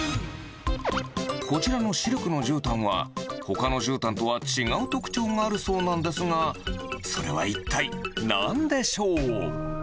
こちらのシルクのじゅうたんは、ほかのじゅうたんとは違う特徴があるそうなんですが、それは一体、なんでしょう？